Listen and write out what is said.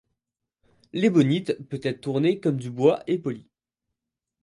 L'ébonite peut être tournée comme du bois et polie.